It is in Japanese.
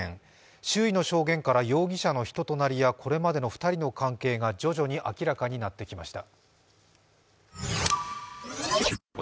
周囲の証言から容疑者の人となりやこれまでの２人の関係が徐々に明らかになってきました。